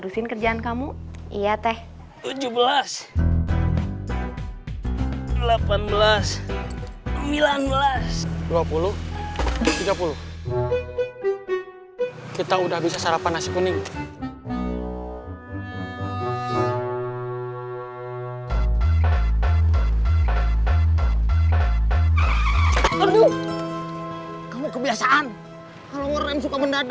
selamat pagi bos